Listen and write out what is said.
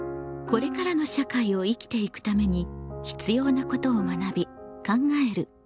これからの社会を生きていくために必要なことを学び考える「公共」。